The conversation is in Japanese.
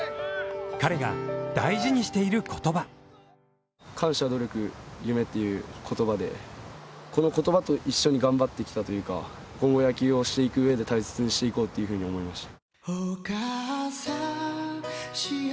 彼が大事にしている言葉。感謝、努力、夢という言葉でこの言葉と一緒に頑張ってきたというか今後野球をしていく上で大切にしていこうというふうに思いました。